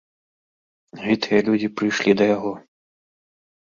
Гэтыя людзі прыйшлі ад яго.